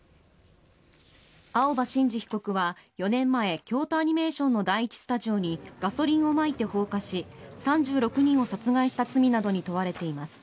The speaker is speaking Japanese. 青葉真司被告は４年前京都アニメーションの第１スタジオにガソリンをまいて放火し３６人を殺害した罪などに問われています。